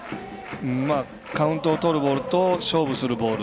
カウントをとるボールと勝負するボール